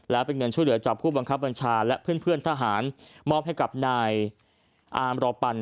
และเป็นเงินช่วยเหลือจากผู้บังคับบัญชาและเพื่อนทหารมอบให้กับนายอามรอปัน